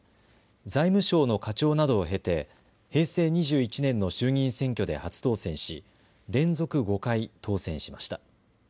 財務省の課長などを経て平成２１年の衆議院選挙で初当選し、連続５回当選しました。